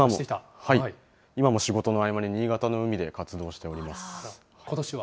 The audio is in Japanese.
今も仕事の合間に新潟の海で活動ことしは？